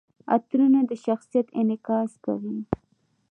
عطرونه د شخصیت انعکاس کوي.